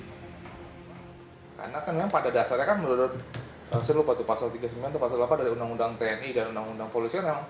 karena kan memang pada dasarnya kan menurut silupatupasal tiga puluh sembilan atau pasal delapan dari undang undang tni dan undang undang polri